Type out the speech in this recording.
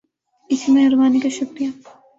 اس مہربانی کا شکریہ